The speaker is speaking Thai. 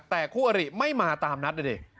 แต่คู่อริไม่มาตามนัดนะดิ